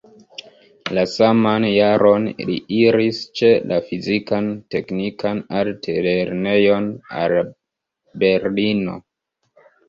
La saman jaron li iris ĉe la Fizikan-teknikan altlernejon al Berlino.